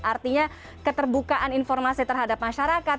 artinya keterbukaan informasi terhadap masyarakat